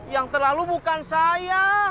yang terlalu bukan saya